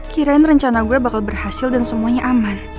kirain rencana gue bakal berhasil dan semuanya aman